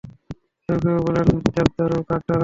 কেউ কেউ বলেন, দেবদারু কাঠ দ্বারা।